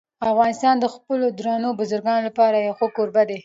افغانستان د خپلو درنو بزګانو لپاره یو ښه کوربه دی.